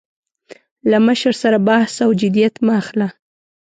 له مشر سره بحث او جدیت مه اخله.